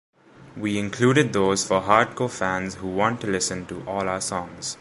We included those for hardcore fans who want to listen to all our songs.